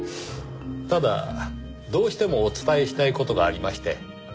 ただどうしてもお伝えしたい事がありまして。